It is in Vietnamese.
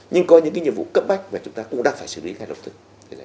nhưng có những nhiệm vụ cấp bách mà chúng ta cũng đang phải xử lý ngay lập tức